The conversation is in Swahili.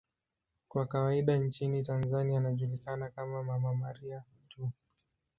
Kwa kawaida nchini Tanzania anajulikana kama 'Mama Maria' tu.